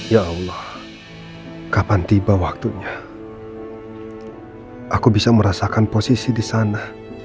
ya allah kapan tiba waktunya aku bisa merasakan posisi di sana